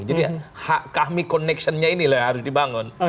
jadi kahmi connectionnya ini lah yang harus dibangun